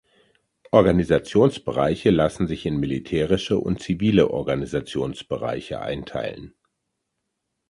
Organisationsbereiche lassen sich in militärische und zivile Organisationsbereiche einteilen.